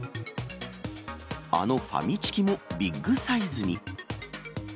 あのファミチキもビッグサイズに。